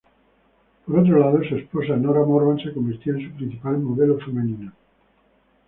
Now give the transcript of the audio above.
Por otro lado, su esposa Nora Morvan se convirtió en su principal modelo femenino.